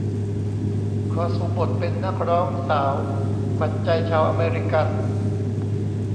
ขอสวมบทเป็นนักร้องสาวขวัญใจชาวอเมริกัน